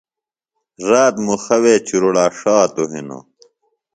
رات مُخہ وے چُڑوڑا ݜاتوۡ ہِنوۡ